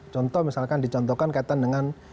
contoh misalkan dicontohkan kaitan dengan